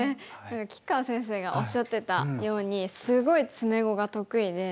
吉川先生がおっしゃってたようにすごい詰碁が得意で。